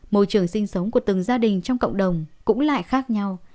môi trường sinh sống của từng gia đình trong cộng đồng cũng lại khác nhau